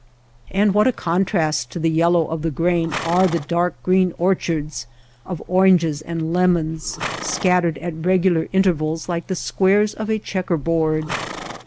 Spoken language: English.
And what a con trast to the yellow of the grain are the dark green orchards of oranges and lemons scat tered at regular intervals like the squares of a checker board